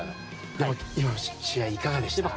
今の試合いかがですか？